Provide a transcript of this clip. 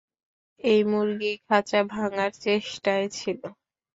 এই মুরুগি খাঁচা ভাঙার চেষ্টায় ছিল।